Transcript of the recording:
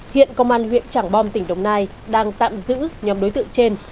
hiện công an huyện trảng bom tỉnh đồng nai đang tạm giữ nhóm đối tượng trên